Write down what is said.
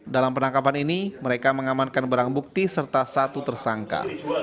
dalam penangkapan ini mereka mengamankan barang bukti serta satu tersangka